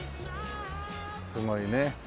すごいね。